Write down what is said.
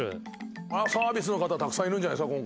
サービスの方たくさんいるんじゃないですか？